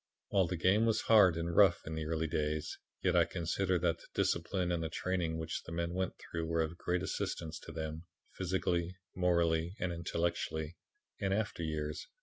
"While the game was hard and rough in the early days, yet I consider that the discipline and the training which the men went through were of great assistance to them, physically, morally and intellectually, in after years.